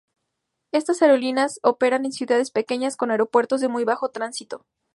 Estas aerolíneas operan en ciudades pequeñas con aeropuertos de muy bajo tránsito.